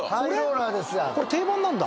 これ定番なんだ。